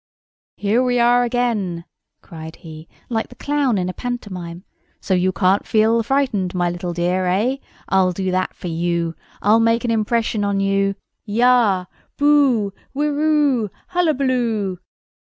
"Here we are again!" cried he, like the clown in a pantomime. "So you can't feel frightened, my little dear—eh? I'll do that for you. I'll make an impression on you! Yah! Boo! Whirroo! Hullabaloo!"